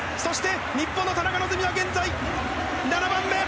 日本の田中希実は７番目。